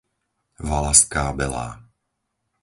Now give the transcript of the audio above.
Valaská Belá